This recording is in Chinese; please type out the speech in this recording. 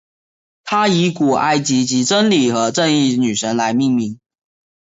它以古埃及真理和正义女神来命名。